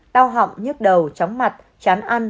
đau họng nhức đầu chóng mặt chán ăn